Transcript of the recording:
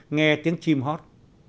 nghe tiếng chim hót